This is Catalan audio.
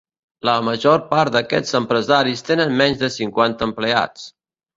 La major part d'aquests empresaris tenen menys de cinquanta empleats.